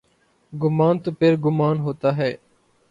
گمان تو پھرگمان ہوتا ہے۔